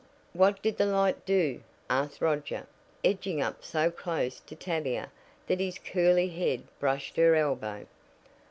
"What did the light do?" asked Roger, edging up so close to Tavia that his curly head brushed her elbow.